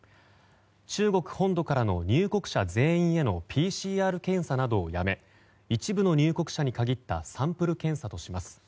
中国本土からの入国者全員へのＰＣＲ検査などをやめ一部の入国者に限ったサンプル検査とします。